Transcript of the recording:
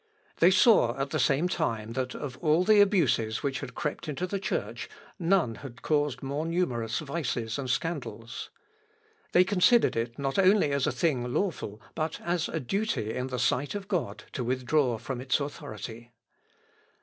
They saw at the same time, that of all the abuses which had crept into the Church none had caused more numerous vices and scandals. They considered it not only as a thing lawful but as a duty in the sight of God to withdraw from its authority.